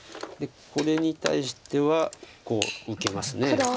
これに対してはこう受けます。